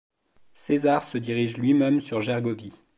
César se dirige lui-même sur Gergovie.